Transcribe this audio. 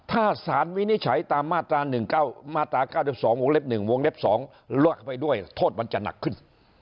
ถ้าสารวินิจฉัยตามมาตรา๑๙มาตรา๙๒วงเล็บ๑วงเล็บ๒ลวกไปด้วยโทษมันจะหนักขึ้น